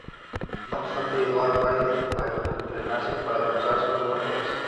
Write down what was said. No obstante, ayudó a Kyle a entrenarse para usar sus nuevos poderes.